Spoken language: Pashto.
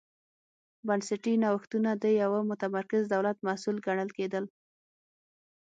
بنسټي نوښتونه د یوه متمرکز دولت محصول ګڼل کېدل.